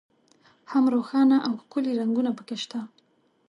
هم روښانه او ښکلي رنګونه په کې شته.